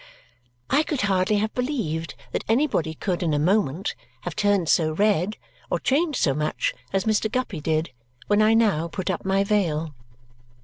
I could hardly have believed that anybody could in a moment have turned so red or changed so much as Mr. Guppy did when I now put up my veil.